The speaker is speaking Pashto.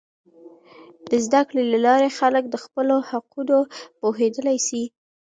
د زده کړې له لارې، خلک د خپلو حقونو پوهیدلی سي.